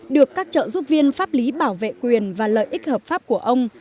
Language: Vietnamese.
được các trợ giúp viên pháp lý bảo vệ quyền và lợi ích hợp pháp của ông